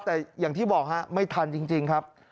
แต่อย่างที่บอกฮะไม่ทันจริงครับ